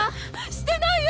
してないよ！